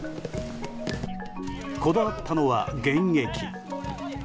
こだわったのは現役。